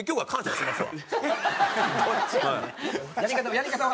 やり方は。